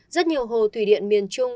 rất nhiều hồ thủy điện miền trung